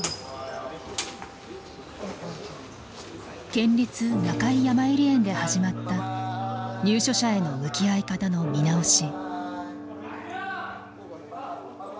県立中井やまゆり園で始まった入所者への向き合い方の見直し。